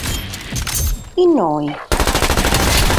Inoghe!